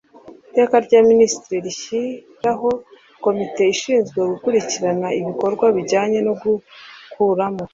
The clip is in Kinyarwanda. iteka rya minisitiri rishyiraho komite ishinzwe gukurikirana ibikorwa bijyanye no gukuramo